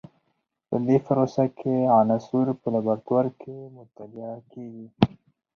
په دې پروسه کې عناصر په لابراتوار کې مطالعه کیږي.